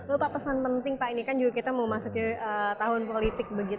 lupa pesan penting pak ini kan juga kita mau masuk ke tahun politik